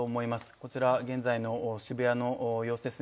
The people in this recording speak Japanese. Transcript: こちらは現在は渋谷の様子ですね。